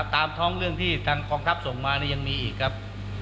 ส่วนอีกเรื่องหนึ่งที่หลายคนสงสัยว่าจะมีนายจตุการณ์นี้หรือเปล่า